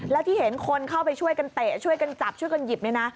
แล้วที่เห็นคนเข้าไปช่วยกันเตะช่วยกันจับช่วยกันหยิบเนี่ยนะ